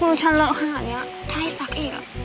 มือฉันเลอะขนาดนี้ถ้าให้ซักอีกอ่ะ